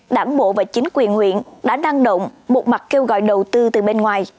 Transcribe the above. đảng bộ và chính quyền huyện đã năng động một mặt kêu gọi đầu tư từ bên ngoài